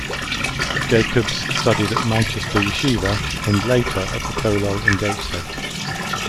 Jacobs studied at Manchester Yeshivah, and later at the kolel in Gateshead.